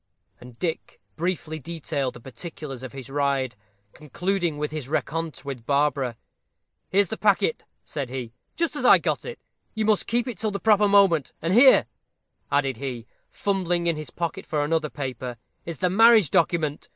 And Dick briefly detailed the particulars of his ride, concluding with his rencontre with Barbara. "Here's the packet," said he, "just as I got it. You must keep it till the proper moment. And here," added he, fumbling in his pocket for another paper, "is the marriage document.